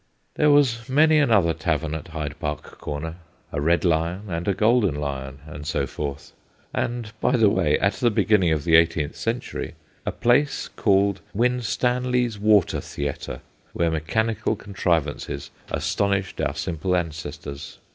There was many another tavern at Hyde Park Corner a ' Red Lion ' and a ' Golden Lion/ and so forth and, by the way, at the beginning of the eighteenth century, a place called * Winstanley's Water Theatre/ where mechanical contrivances astonished our simple ancestors.